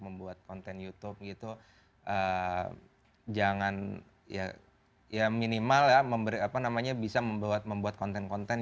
membuat konten youtube gitu jangan ya ya minimal ya memberi apa namanya bisa membuat konten konten